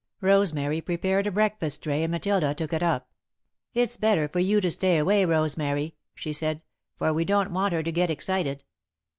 Rosemary prepared a breakfast tray and Matilda took it up. "It's better for you to stay away, Rosemary," she said, "for we don't want her to get excited."